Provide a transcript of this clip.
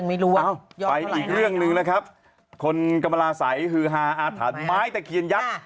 ไปอีกเรื่องนึงนะครับคนกรรมลาสัยฮือหาอาถรรมไม้แต่เคียนยักษ์